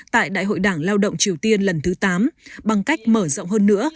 tại đại hội đảng lao động triều tiên lần thứ tám bằng cách mở rộng hơn nữa